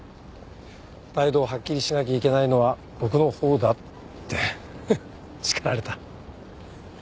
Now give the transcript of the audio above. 態度をはっきりしなきゃいけないのは僕のほうだって叱られた。